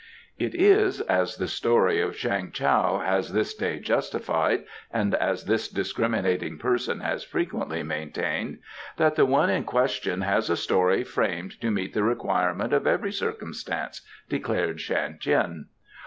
"It is, as the story of Chang Tao has this day justified, and as this discriminating person has frequently maintained, that the one in question has a story framed to meet the requirement of every circumstance," declared Shan Tien.